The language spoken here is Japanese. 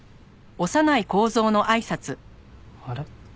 あれ？